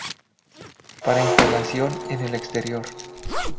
Para instalación en el exterior.